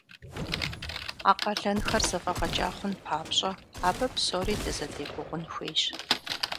А къалэнхэр зэфӀэгъэкӀа хъун папщӀэ абы псори дызэдегугъун хуейщ.